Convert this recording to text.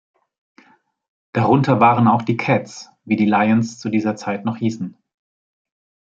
Darunter waren auch die Cats, wie die Lions zu dieser Zeit noch hießen.